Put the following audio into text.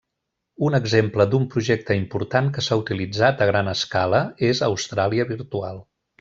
Un exemple d'un projecte important que s'ha utilitzat a gran escala és Austràlia virtual.